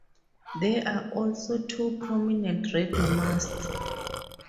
There are also two prominent radio masts.